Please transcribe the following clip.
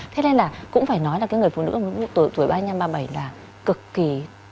thế nên là cũng phải nói là cái người phụ nữ tuổi tuổi ba mươi năm ba mươi bảy là cực kỳ